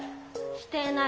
してない。